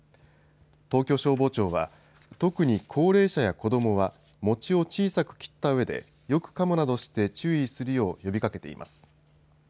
東京消防庁は特に高齢者や子どもは餅を小さく切った上でよくかむなどして注意するよう呼びかけています。